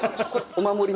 お守り